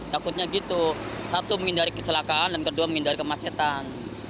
takutnya gitu satu menghindari kecelakaan dan kedua menghindari kemacetan